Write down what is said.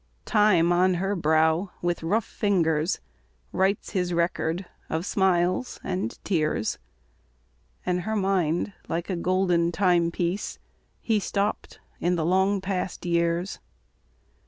Time on her brow with rough fingers Writes his record of smiles and tears; And her mind, like a golden timepiece, He stopped in the long past years.